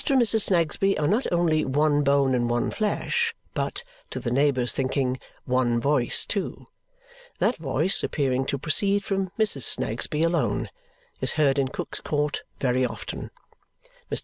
and Mrs. Snagsby are not only one bone and one flesh, but, to the neighbours' thinking, one voice too. That voice, appearing to proceed from Mrs. Snagsby alone, is heard in Cook's Court very often. Mr.